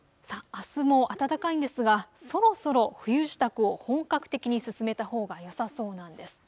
あすも暖かいんですがそろそろ冬支度を本格的に進めたほうがよさそうなんです。